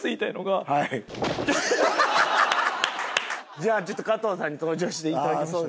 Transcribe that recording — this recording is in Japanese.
じゃあちょっと加藤さんに登場していただきましょう。